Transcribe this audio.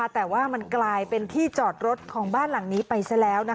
แต่ว่ามันกลายเป็นที่จอดรถของบ้านหลังนี้ไปซะแล้ว